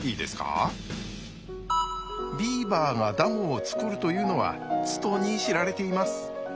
ビーバーがダムを作るというのはつとに知られています。